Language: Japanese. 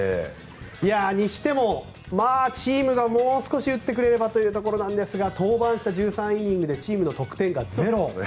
いや、にしてもチームがもう少し打ってくれればというところなんですが登板した１３イニングでチームの得点がゼロ。